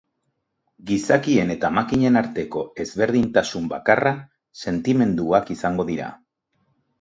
Gizakien eta makinen arteko ezberdintasun bakarra sentimenduak izango dira.